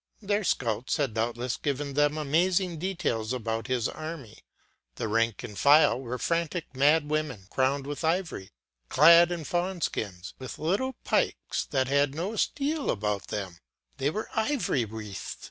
Their scouts had doubtless given them amazing details about his army: the rank and file were frantic mad women crowned with ivy, clad in fawn skins, with little pikes that had no steel about them, but were ivy wreathed p.